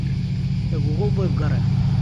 لە گووگڵ بۆی بگەڕێ.